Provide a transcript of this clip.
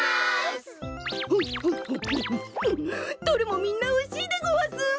どれもみんなおいしいでごわす！